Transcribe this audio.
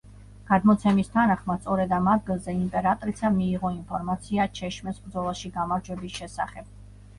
გადმოცემის თანახმად, სწორედ ამ ადგილზე იმპერატრიცამ მიიღო ინფორმაცია ჩეშმეს ბრძოლაში გამარჯვების შესახებ.